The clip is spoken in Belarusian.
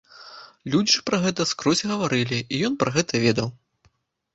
Людзі ж пра гэта скрозь гаварылі, і ён пра гэта ведаў.